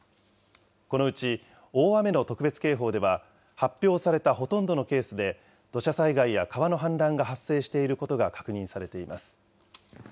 このうち、大雨の特別警報では、発表されたほとんどのケースで土砂災害や川の氾濫が発生していることが確認されています。